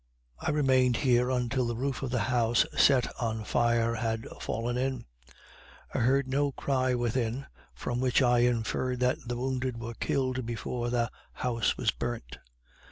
I remained here until the roof of the house set on fire had fallen in. I heard no cry within, from which I infered that the wounded were killed before the house was burnt.